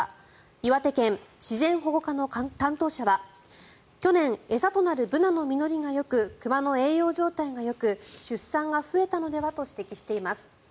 岩手県自然保護課の担当者は去年、餌となるブナの実りがよく熊の栄養状態がよく出産が増えたのではと指摘しています。